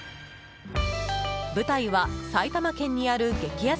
舞台は埼玉県にある激安